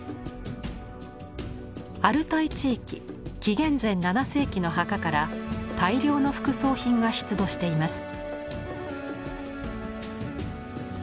アルタイ地域紀元前７世紀の墓から大量の副葬品が出土しています。